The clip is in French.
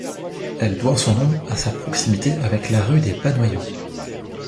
Elle doit son nom à sa proximité avec la rue des Panoyaux.